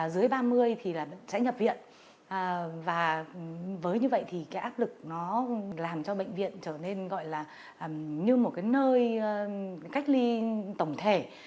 dưới ba mươi thì là sẽ nhập viện và với như vậy thì cái áp lực nó làm cho bệnh viện trở nên gọi là như một cái nơi cách ly tổng thể